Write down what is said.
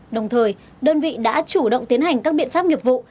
đồng thời đơn vị đã chủ động tiến hành các biện pháp nghiệp vụ